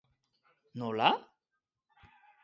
Nola?